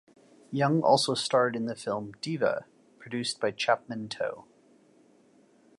Yung also starred in the film "Diva", produced by Chapman To.